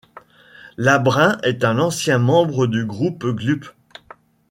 Labrin est ancien membre du groupe Glup!.